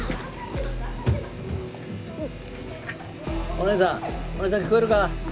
お姉さんお姉さん聞こえるか？